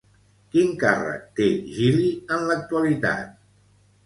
Quin càrrec té Gili en l'actualitat?